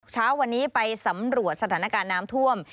เช้าวันนี้ไปสำรวจสถานการณ์น้ำท่วม